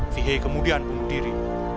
fahey kemudian berdiri